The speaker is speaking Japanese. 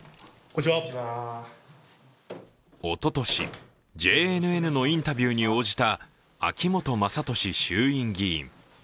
おととし、ＪＮＮのインタビューに応じた秋本真利衆院議員。